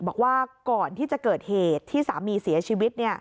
บอกว่าก่อนที่จะเกิดเหตุที่สามีเสียชีวิต